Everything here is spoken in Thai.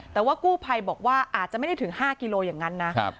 แต่ว่ากู้ภัยบอกว่าอาจจะไม่ได้ถึงห้ากิโลเมตรอย่างงั้นนะครับ